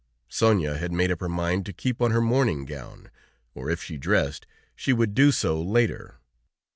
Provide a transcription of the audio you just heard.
Sonia had made up her mind to keep on her morning gown, or if she dressed, she would do so later.